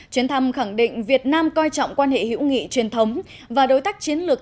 chuyến thăm khẳng định việt nam coi trọng quan hệ hữu nghị truyền thống và đối tác chiến lược